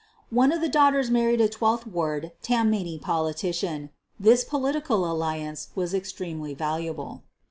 One of the daughters married a Twelfth Ward Tammany politician. This political alliance was extremely valuable.